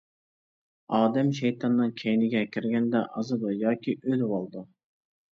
ئادەم شەيتاننىڭ كەينىگە كىرگەندە ئازىدۇ ياكى ئۆلۈۋالىدۇ.